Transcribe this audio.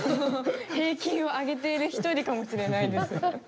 平均を上げている一人かもしれないです。